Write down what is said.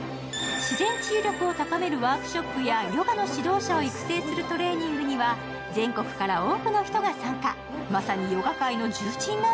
自然治癒力を高めるワークショップやヨガの指導者を育成するトレーニングには全国から多くの人が参加。